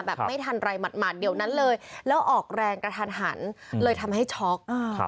แบบไม่ทันไรหมัดเดี๋ยวนั้นเลยแล้วออกแรงกระทันหันเลยทำให้ช็อก